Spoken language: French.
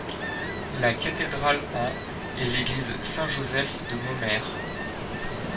La cathédrale en est l'église Saint-Joseph de Maumere.